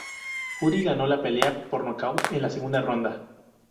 Jury ganó la pelea por nocaut en la segunda ronda.